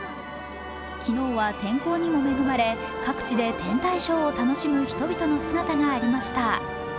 昨日は天候にも恵まれ、各地で天体ショーを楽しむ人々の姿がありました。